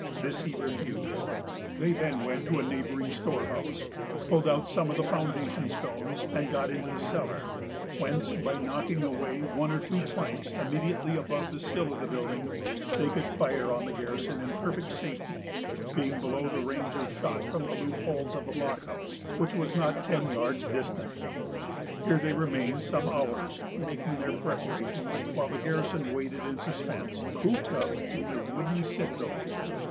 This he refused. They then went to a neighboring storehouse, pulled out some of the foundation stones, and got into the cellar; whence, by knocking away one or two planks immediately above the sill of the building, they could fire on the garrison in perfect safety, being below the range of shot from the loopholes of the blockhouse, which was not ten yards distant. Here they remained some hours, making their preparations, while the garrison waited in suspense, cooped up in their wooden citadel.